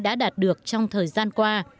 đã đạt được trong thời gian qua